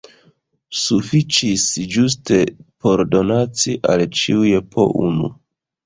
Sufiĉis ĝuste por donaci al ĉiuj po unu.